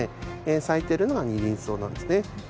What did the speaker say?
咲いてるのがニリンソウなんですね。